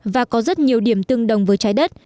và có rất nhiều điểm tương đồng với trái đất